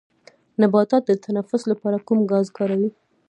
نباتات د تنفس لپاره کوم ګاز کاروي